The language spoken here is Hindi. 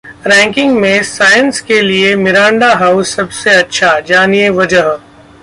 रैंकिंग में साइंस के लिए मिरांडा हाउस सबसे अच्छा, जानिए वजह